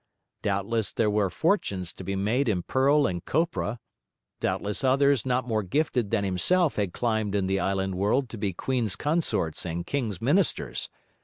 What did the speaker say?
Doubtless there were fortunes to be made in pearl and copra; doubtless others not more gifted than himself had climbed in the island world to be queen's consorts and king's ministers.